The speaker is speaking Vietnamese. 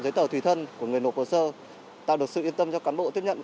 giấy tờ tùy thân của người nộp hồ sơ tạo được sự yên tâm cho cán bộ tiếp nhận